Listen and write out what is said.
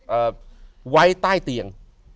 เอาไว้ใต้เตียง